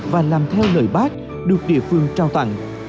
và làm theo lời bác được địa phương trao tặng